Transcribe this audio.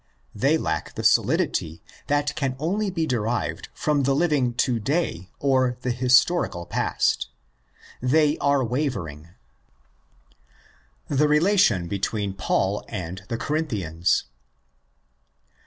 They lack the solidity that can only be derived from the living to day or the historical past. They are wavering. The Relation between Paul and the Corinthians.